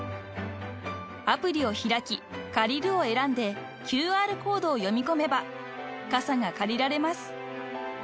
［アプリを開き「借りる」を選んでＱＲコードを読み込めば傘が借りられます］